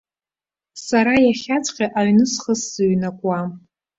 Сара иахьаҵәҟьа аҩны схы сзыҩнакуам.